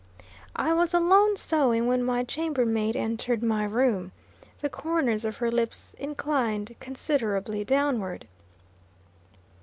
I was alone, sewing, when my chamber maid entered my room. The corners of her lips inclined considerably downward.